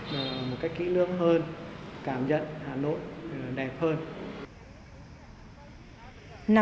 một cách kỹ lưỡng hơn cảm nhận hà nội đẹp hơn